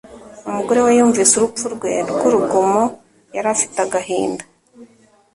Umugore we yumvise urupfu rwe rw’urugomo yari afite agahinda